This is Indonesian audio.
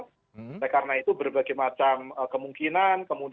oleh karena itu berbagai macam kemungkinan